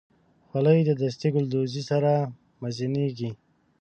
خولۍ د دستي ګلدوزۍ سره مزینېږي.